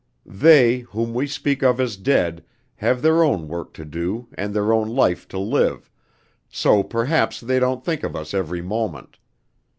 They, whom we speak of as dead, have their own work to do and their own life to live, so perhaps they don't think of us every moment.